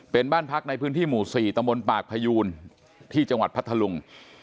เป็นบ้านพักในพื้นที่หมู่๔ตมปากพยูนที่จังหวัดพัทธลุง